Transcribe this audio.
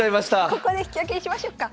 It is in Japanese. ここで引き分けにしましょっか。